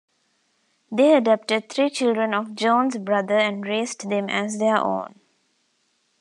They adopted three children of John's brother and raised them as their own.